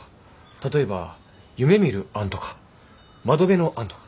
例えば「夢見るアン」とか「窓辺のアン」とか。